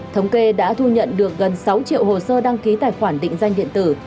thống kê đã thu nhận được gần sáu triệu hồ sơ đăng ký tài khoản định danh điện tử